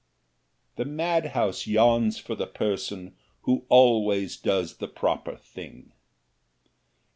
The madhouse yawns for the person who always does the proper thing.